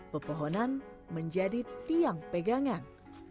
pepohonan menjadi tiang pegangan